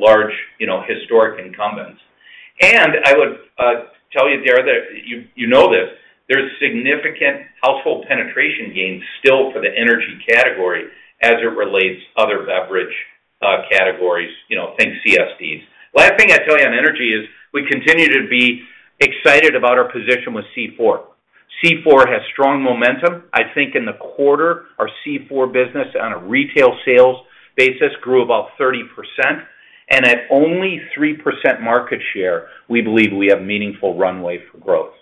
large, you know, historic incumbents. I would tell you, Dara, that you, you know this, there's significant household penetration gains still for the energy category as it relates to other beverage categories, you know, think CSDs. Last thing I'd tell you on energy is we continue to be excited about our position with C4. C4 has strong momentum. I think in the quarter, our C4 business on a retail sales basis grew about 30%, and at only 3% market share, we believe we have meaningful runway for growth.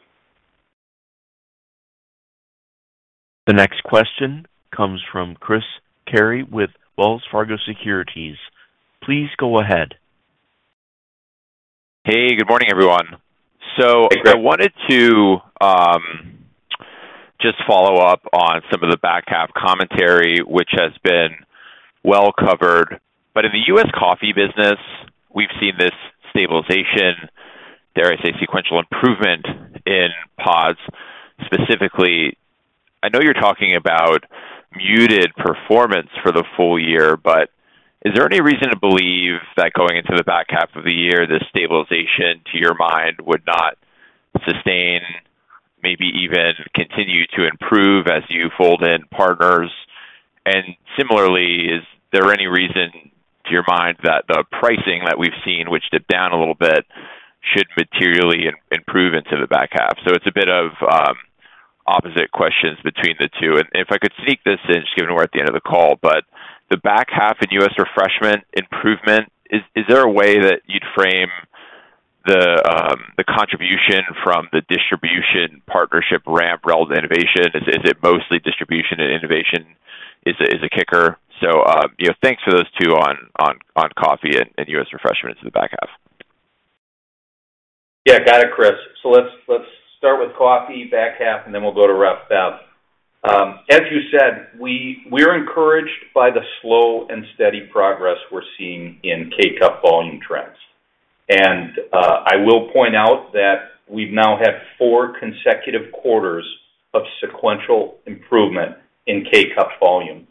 The next question comes from Chris Carey with Wells Fargo Securities. Please go ahead.
Hey, good morning, everyone.
Hey, Chris.
So I wanted to just follow up on some of the back half commentary, which has been well covered. But in the U.S. coffee business, we've seen this stabilization, dare I say, sequential improvement in pods specifically. I know you're talking about muted performance for the full year, but is there any reason to believe that going into the back half of the year, this stabilization, to your mind, would not sustain, maybe even continue to improve as you fold in partners. And similarly, is there any reason, to your mind, that the pricing that we've seen, which dipped down a little bit, should materially improve into the back half? So it's a bit of opposite questions between the two. And if I could sneak this in, just given we're at the end of the call, but the back half in U.S. refreshment improvement, is there a way that you'd frame the contribution from the distribution partnership ramp relative to innovation? Is it mostly distribution and innovation is a kicker? So, you know, thanks for those two on coffee and U.S. refreshment into the back half.
Yeah. Got it, Chris. So let's, let's start with coffee back half, and then we'll go to ref bev. As you said, we're encouraged by the slow and steady progress we're seeing in K-Cup volume trends. And, I will point out that we've now had four consecutive quarters of sequential improvement in K-Cup volume.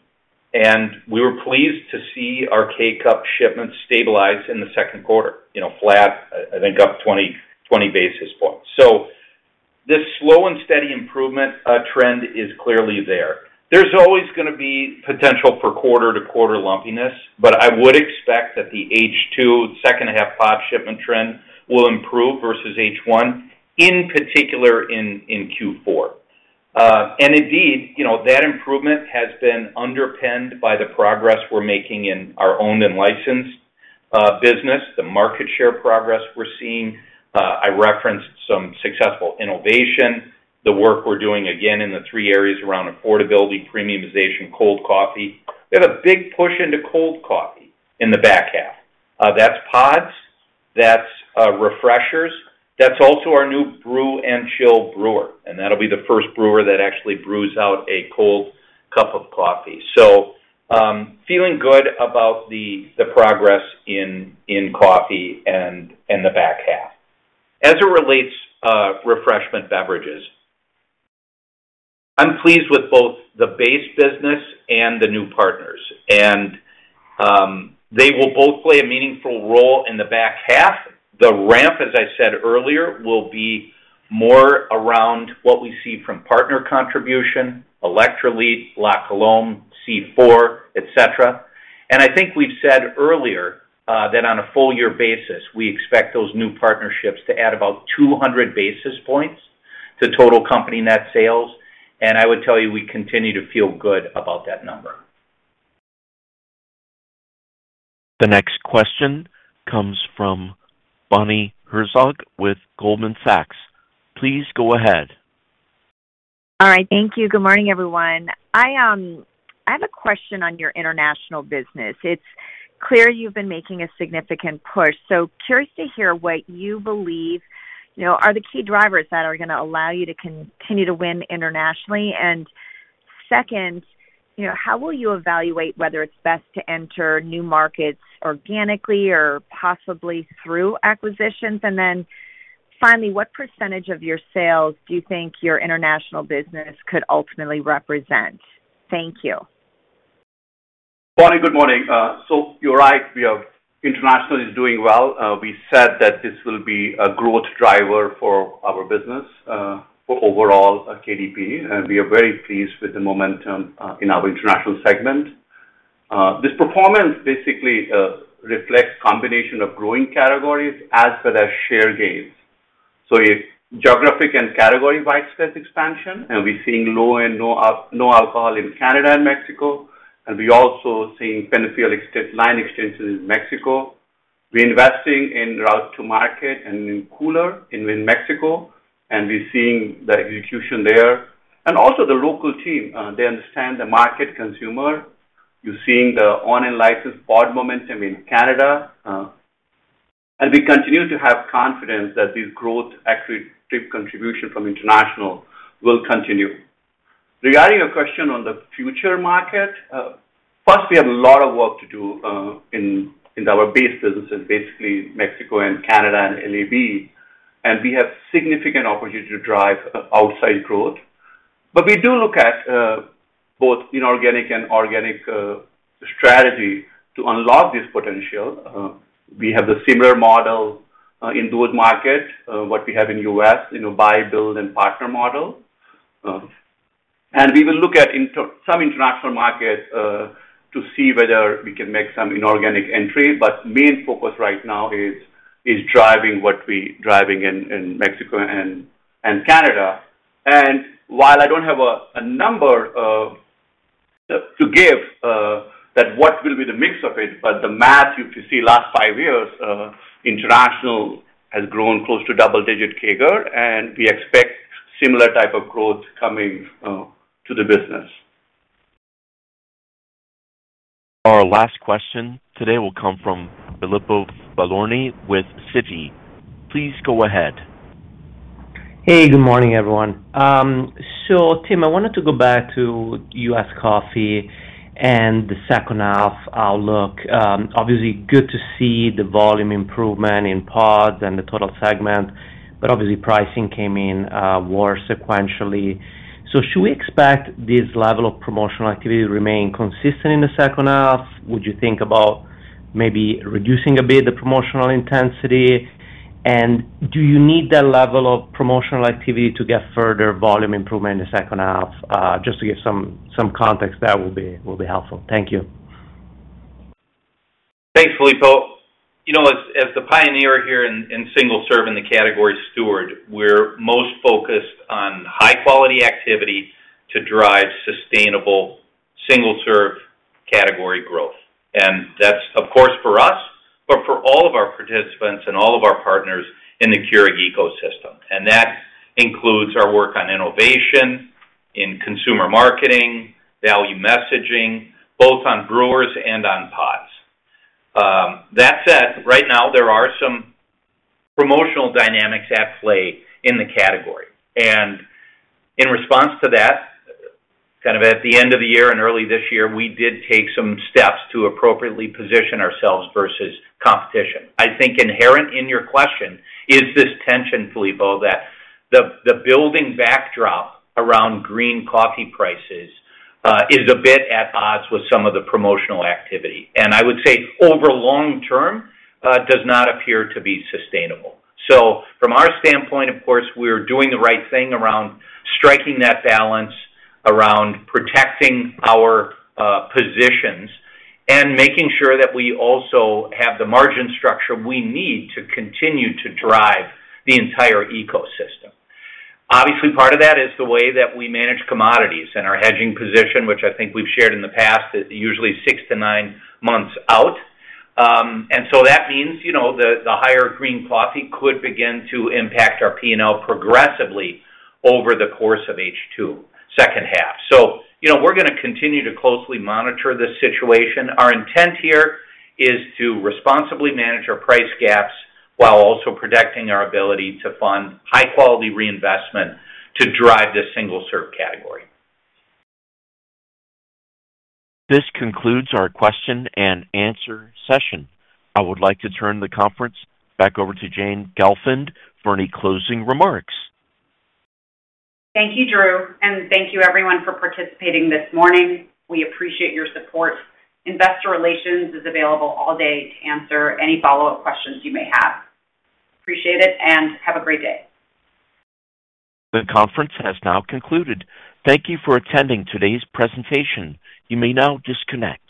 And we were pleased to see our K-Cup shipments stabilize in the second quarter, you know, flat, I think up 20 basis points. So this slow and steady improvement trend is clearly there. There's always gonna be potential for quarter-to-quarter lumpiness, but I would expect that the H2, second half pod shipment trend will improve versus H1, in particular in Q4. And indeed, you know, that improvement has been underpinned by the progress we're making in our owned and licensed business, the market share progress we're seeing. I referenced some successful innovation, the work we're doing, again, in the three areas around affordability, premiumization, cold coffee. We have a big push into cold coffee in the back half. That's pods, that's refreshers, that's also our new Brew and Chill brewer, and that'll be the first brewer that actually brews out a cold cup of coffee. So, feeling good about the progress in coffee and in the back half. As it relates, refreshment beverages, I'm pleased with both the base business and the new partners, and they will both play a meaningful role in the back half. The ramp, as I said earlier, will be more around what we see from partner contribution, Electrolit, La Colombe, C4, et cetera. I think we've said earlier that on a full year basis, we expect those new partnerships to add about 200 basis points to total company net sales, and I would tell you, we continue to feel good about that number.
The next question comes from Bonnie Herzog with Goldman Sachs. Please go ahead.
All right. Thank you. Good morning, everyone. I have a question on your international business. It's clear you've been making a significant push, so curious to hear what you believe, you know, are the key drivers that are gonna allow you to continue to win internationally. And second, you know, how will you evaluate whether it's best to enter new markets organically or possibly through acquisitions? And then finally, what percentage of your sales do you think your international business could ultimately represent? Thank you.
Bonnie, good morning. So you're right, international is doing well. We said that this will be a growth driver for our business, for overall KDP, and we are very pleased with the momentum in our international segment. This performance basically reflects combination of growing categories as well as share gains. So a geographic and category-wide space expansion, and we're seeing low and no alcohol in Canada and Mexico, and we're also seeing Peñafiel line extensions in Mexico. We're investing in route to market and new cooler in Mexico, and we're seeing the execution there. And also the local team, they understand the market consumer. You're seeing the owned and licensed pod momentum in Canada, and we continue to have confidence that these growth attractive contribution from international will continue. Regarding your question on the future market, first, we have a lot of work to do in our base businesses, basically Mexico and Canada and LAB, and we have significant opportunity to drive outside growth. But we do look at both inorganic and organic strategy to unlock this potential. We have a similar model in those markets what we have in U.S., you know, buy, build, and partner model. And we will look at in some international markets to see whether we can make some inorganic entry, but main focus right now is driving what we driving in Mexico and Canada. While I don't have a number to give that what will be the mix of it, but the math, if you see last five years, international has grown close to double-digit CAGR, and we expect similar type of growth coming to the business.
Our last question today will come from Filippo Falorni with Citi. Please go ahead.
Hey, good morning, everyone. So Tim, I wanted to go back to U.S. coffee and the second half outlook. Obviously, good to see the volume improvement in pods and the total segment, but obviously, pricing came in worse sequentially. So should we expect this level of promotional activity to remain consistent in the second half? Would you think about-... maybe reducing a bit the promotional intensity? And do you need that level of promotional activity to get further volume improvement in the second half? Just to give some context, that will be helpful. Thank you.
Thanks, Filippo. You know, as the pioneer here in single-serve and the category steward, we're most focused on high-quality activity to drive sustainable single-serve category growth. That's, of course, for us, but for all of our participants and all of our partners in the Keurig ecosystem. That includes our work on innovation, in consumer marketing, value messaging, both on brewers and on pods. That said, right now there are some promotional dynamics at play in the category. In response to that, kind of at the end of the year and early this year, we did take some steps to appropriately position ourselves versus competition. I think inherent in your question is this tension, Filippo, that the building backdrop around green coffee prices is a bit at odds with some of the promotional activity, and I would say over long term does not appear to be sustainable. So from our standpoint, of course, we're doing the right thing around striking that balance, around protecting our positions, and making sure that we also have the margin structure we need to continue to drive the entire ecosystem. Obviously, part of that is the way that we manage commodities and our hedging position, which I think we've shared in the past, is usually six to nine months out. And so that means, you know, the higher green coffee could begin to impact our P&L progressively over the course of H2, second half. So, you know, we're gonna continue to closely monitor this situation. Our intent here is to responsibly manage our price gaps while also protecting our ability to fund high-quality reinvestment to drive the single-serve category.
This concludes our question-and-answer session. I would like to turn the conference back over to Jane Gelfand for any closing remarks.
Thank you, Drew, and thank you everyone for participating this morning. We appreciate your support. Investor Relations is available all day to answer any follow-up questions you may have. Appreciate it, and have a great day.
The conference has now concluded. Thank you for attending today's presentation. You may now disconnect.